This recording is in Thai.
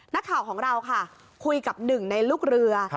นักข่าวของเราค่ะคุยกับหนึ่งในลูกเรือ